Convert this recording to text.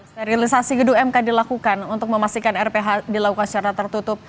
sterilisasi gedung mk dilakukan untuk memastikan rph dilakukan secara tertutup